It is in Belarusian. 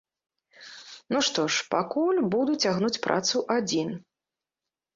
Ну, што ж, пакуль буду цягнуць працу адзін!